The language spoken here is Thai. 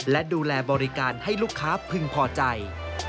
และดูแลบริการให้ลูกค้าพึงพอใจ